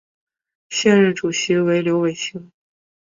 现任主席为刘伟清。